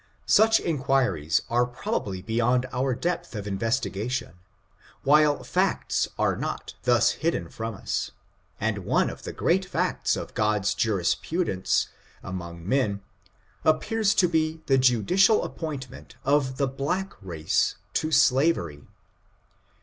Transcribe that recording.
Such inquiries are probably beyond our depth of investigation, while /oc/* are not thus hidden from us, and one of the great facts of God's jurisprudence among men appears to be ih^ judicial {appointment of the black race to slavery.